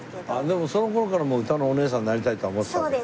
でもその頃からもううたのおねえさんになりたいとは思ってたわけだ。